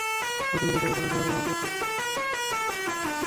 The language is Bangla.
নতুন দেশের অচেনা শহরে আমার প্রথম আগমন শুরু হলো এমন অনিশ্চয়তার মধ্য দিয়ে।